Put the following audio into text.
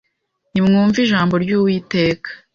Nimwumve ijambo ry’Uwiteka